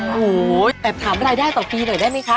โหแต่ถามรายได้ต่อปีเลยได้ไหมคะ